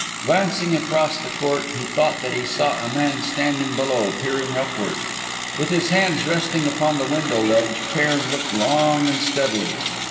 Glancing across the court, he thought that he saw a man standing below, peering upward. With his hands resting upon the window ledge, Cairn looked long and steadily.